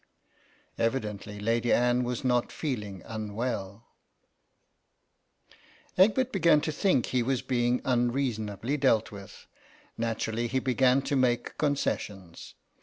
Evidently Lady Anne was not feeling unwell. THE RETICENCE OF LADY ANNE ii Egbert began to think he was being un reasonably dealt with ; naturally he began to make concessions.